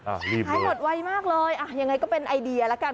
ขายหมดไวมากเลยอ่ะยังไงก็เป็นไอเดียแล้วกัน